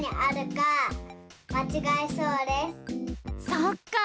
そっか。